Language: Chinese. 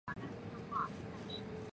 永昌陵是宋太祖赵匡胤的陵墓。